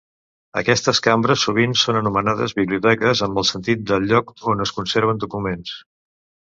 Aquestes cambres sovint són anomenades biblioteques amb el sentit de lloc on es conserven documents.